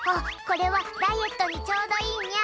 「これはダイエットにちょうどいいニャ」